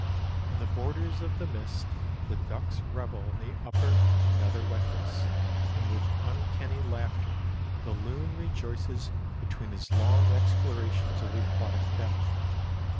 In the borders of the mist the ducks revel in the upper and nether wetness, and with uncanny laughter the loon rejoices between his long explorations of the aquatic depth.